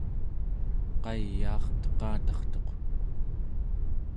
qayaarteqatartuq